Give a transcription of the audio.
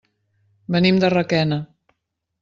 Venim de Requena.